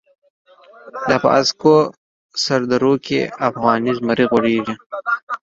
لاپه هسکوسردروکی، افغانی زمری غوریږی